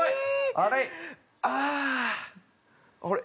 あれ？